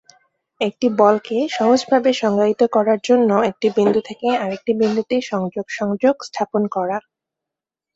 একটি বলকে সহজভাবে সংজ্ঞায়িত করার জন্য একটি বিন্দু থেকে আরেকটি বিন্দুতে সংযোগ সংযোগ স্থাপন করা।